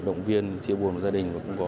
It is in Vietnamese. động viên chịu buồn gia đình